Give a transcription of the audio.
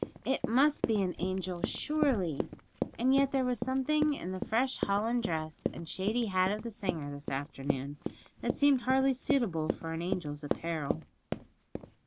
It must be an angel, surely! and yet there was something in the fresh holland dress and shady hat of the singer this afternoon that seemed hardly suitable for an angel's apparel.